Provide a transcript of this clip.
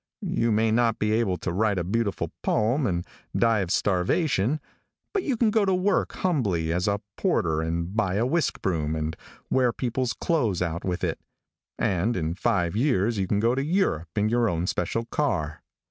You may not be able to write a beautiful poem, and die of starvation; but you can go to work humbly as a porter and buy a whisk broom, and wear people's clothes out with it, and in five years you can go to Europe in your own special car.